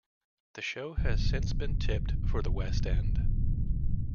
The show has since been tipped for the West End.